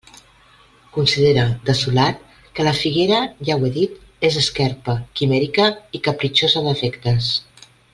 Considere, desolat, que la figuera, ja ho he dit, és esquerpa, quimèrica i capritxosa d'afectes.